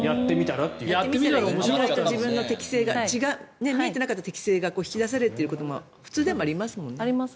自分の適性が見えてなかった適性が引き出されるということも普通でもありますもんね。